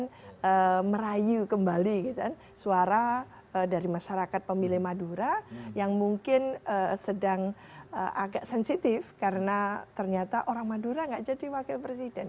kemudian merayu kembali suara dari masyarakat pemilih madura yang mungkin sedang agak sensitif karena ternyata orang madura tidak jadi wakil presiden